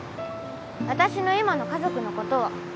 私の今の家族のことは